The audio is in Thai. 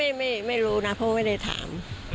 อันนี้ไม่รู้นะเพราะว่าไม่ได้ถาม